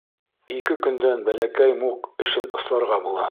Ике көндән Бәләкәй Мук эшен осларға була.